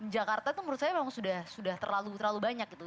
jakarta itu menurut saya memang sudah terlalu banyak gitu